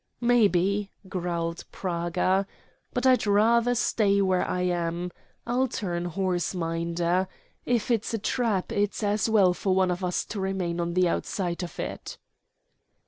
"Maybe," growled Praga. "But I'd rather stay where I am. I'll turn horse minder. If it's a trap, it's as well for one of us to remain on the outside of it."